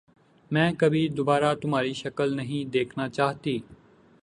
میں کبھی دوبارہ تمہاری شکل نہیں دیکھنا چاہتی۔